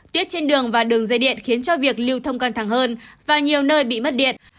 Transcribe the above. tiết trên đường và đường dây điện khiến cho việc lưu thông căng thẳng hơn và nhiều nơi bị mất điện